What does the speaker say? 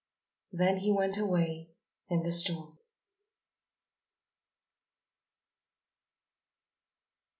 Then he went away in the storm.